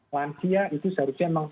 lansia itu seharusnya